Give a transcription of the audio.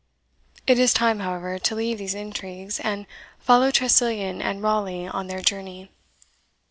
It is time, however, to leave these intrigues, and follow Tressilian and Raleigh on their journey.